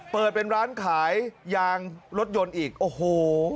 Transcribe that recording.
เปิดเป็นร้านขายยางรถยนต์อีกโอ้โห